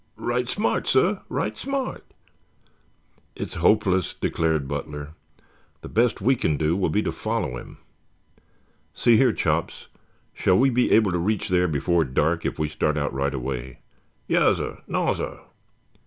"Right smart, sah, right smart." "It's hopeless," declared Butler. "The best we can do will be to follow him. See here, Chops, shall we be able to reach there before dark if we start out right away?" "Yassir, nassir."